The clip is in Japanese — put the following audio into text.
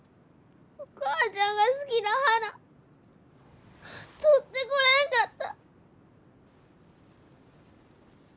お母ちゃんが好きな花採ってこれんかった！